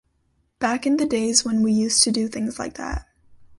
Back in the days when we used to do things like that.